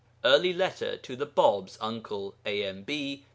Early Letter to the Bāb's uncle (AMB, p.